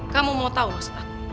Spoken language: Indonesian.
kamu mau tau maksud aku